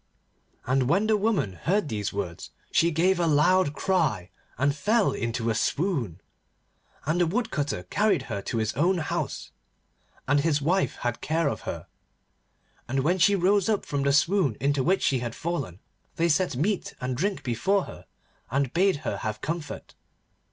And when the woman heard these words she gave a loud cry, and fell into a swoon. And the Woodcutter carried her to his own house, and his wife had care of her, and when she rose up from the swoon into which she had fallen, they set meat and drink before her, and bade her have comfort.